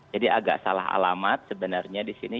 jadi agak salah alamat sebenarnya di sini